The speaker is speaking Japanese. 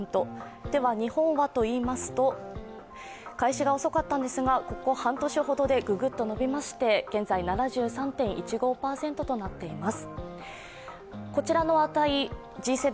では日本はといいますと、開始が遅かったんですがここ半年ほどでググッと伸びまして現在７３．１５％となっています。